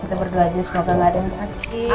kita berdoa aja semoga gak ada yang sakit